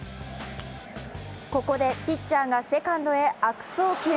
ここでピッチャーがセカンドへ悪送球。